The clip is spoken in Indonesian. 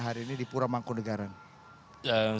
hari ini di puramangkudegaran